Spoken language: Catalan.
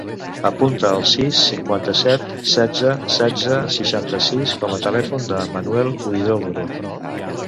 Apunta el sis, cinquanta-set, setze, setze, seixanta-sis com a telèfon del Manel Huidobro.